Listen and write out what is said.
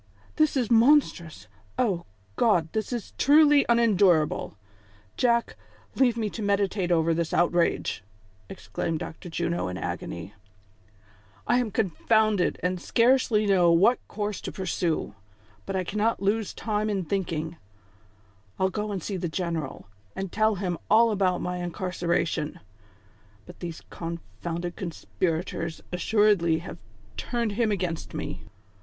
"This is monstrous ! O God ! this is truly unendurable ! Jack, leave me to meditate over this outrage," exclaimed Dr. Juno in agony. "I am confounded, and scarcely know what course to pursue ; but I cannot lose much time in thmking. I'll go and see the general, and tell him all about my incarcera tion ; but these confounded conspirators assuredly have turned him against me.